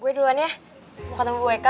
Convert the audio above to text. gue duluan ya mau ketemu gue kak